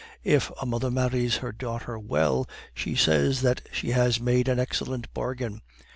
If a mother marries her daughter well, she says that she has made an excellent bargain.